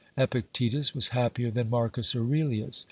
Epictetus was happier than Marcus Aurelius.